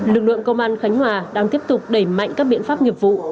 lực lượng công an khánh hòa đang tiếp tục đẩy mạnh các biện pháp nghiệp vụ